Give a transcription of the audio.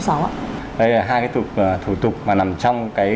đây là hai thủ tục mà nằm trong